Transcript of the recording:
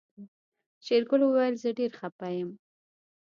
شېرګل وويل زه ډېر خپه يم.